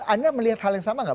anda melihat hal yang sama nggak